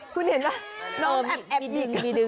คุณเห็นว่าน้องแอบหยิบ